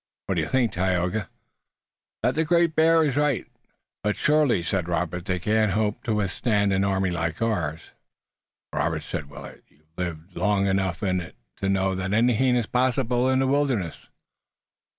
"What do you think, Tayoga?" "That the Great Bear is right." "But surely," said Robert, "they can't hope to withstand an army like ours." "Robert," said Willet, "you've lived long enough in it to know that anything is possible in the wilderness.